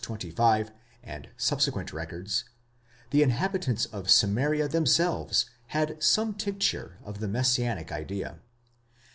25, and subsequent records,2 the inhabitants of Samaria themselves had some tincture of the messianic idea.